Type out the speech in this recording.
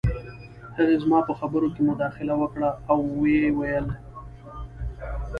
هغې زما په خبرو کې مداخله وکړه او وویې ویل